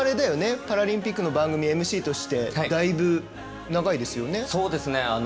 パラリンピックの番組ＭＣとしてだいぶ、長いですよね。